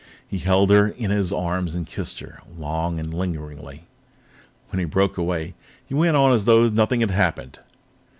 He held her in his arms and kissed her long and lingeringly. When he broke away, he went on as though nothing had happened.